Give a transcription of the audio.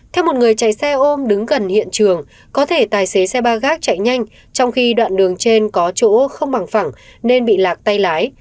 theo một người chạy xe ôm đứng gần hiện trường có thể tài xế xe ba gác chạy nhanh trong khi đoạn đường trên có chỗ không bằng phẳng nên bị lạc tay lái